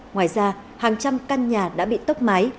ngoài ra hàng trăm căn nhà đã bị tốc mái